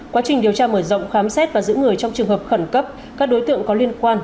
quá trình điều tra mở rộng khám xét và giữ người trong trường hợp khẩn cấp các đối tượng có liên quan